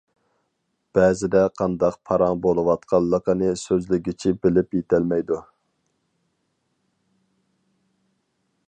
بەزىدە قانداق پاراڭ بولۇۋاتقانلىقىنى سۆزلىگۈچى بىلىپ يېتەلمەيدۇ.